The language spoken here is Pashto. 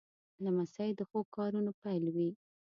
لمسی د ښو کارونو پیل وي.